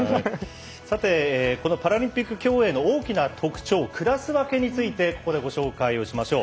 このパラリンピック競泳の大きな特徴、クラス分けについてここで、ご紹介をしましょう。